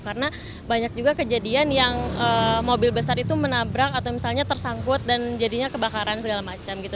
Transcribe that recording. karena banyak juga kejadian yang mobil besar itu menabrak atau misalnya tersangkut dan jadinya kebakaran segala macam gitu